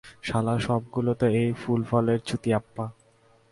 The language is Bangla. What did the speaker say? শালা, সবগুলাতে এই ফুল-ফলের চুতিয়াপ্পা।